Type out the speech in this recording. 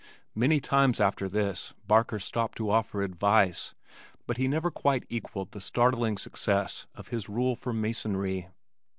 Many times after this Barker stopped to offer advice but he never quite equalled the startling success of his rule for masonry.